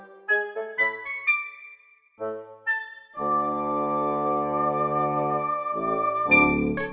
kita herkes sliding too marian pushkin nya sekarang